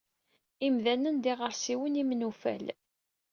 Imdanen d iɣersiwen imnufal.